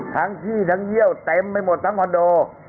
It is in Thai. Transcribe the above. ที่ทั้งเยี่ยวเต็มไปหมดทั้งคอนโด